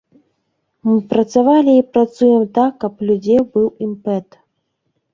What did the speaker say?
Мы працавалі і працуем так, каб у людзей быў імпэт.